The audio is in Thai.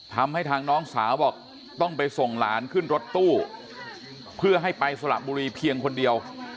ทำให้ทางน้องสาวบอกต้องไปส่งหลานขึ้นรถตู้เพื่อให้ไปสละบุรีเพียงคนเดียว